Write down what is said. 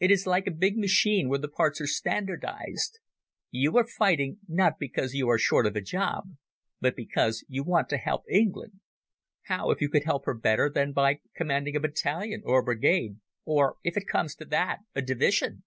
It is like a big machine where the parts are standardized. You are fighting, not because you are short of a job, but because you want to help England. How if you could help her better than by commanding a battalion—or a brigade—or, if it comes to that, a division?